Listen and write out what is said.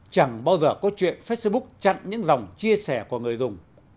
chẳng bao giờ có chuyện facebook chặn những dòng chia sẻ của người dùng